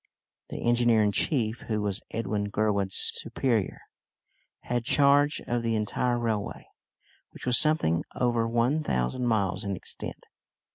The engineer in chief, who was Edwin Gurwood's superior, had charge of the entire railway, which was something over one thousand miles in extent.